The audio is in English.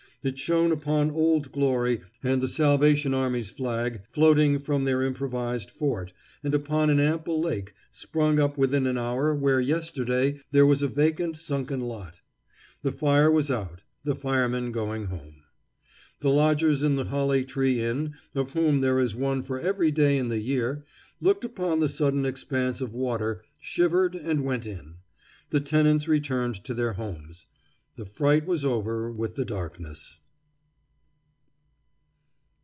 It shone upon Old Glory and the Salvation Army's flag floating from their improvised fort, and upon an ample lake, sprung up within an hour where yesterday there was a vacant sunken lot. The fire was out, the firemen going home. The lodgers in the Holly Tree Inn, of whom there is one for every day in the year, looked upon the sudden expanse of water, shivered, and went in. The tenants returned to their homes. The fright was over with the darkness.